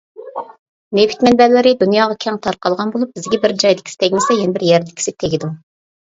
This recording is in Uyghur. نېفىت مەنبەلىرى دۇنياغا كەڭ تارقالغان بولۇپ، بىزگە بىر جايدىكىسى تەگمىسە يەنە بىر يەردىكىسى تېگىدۇ.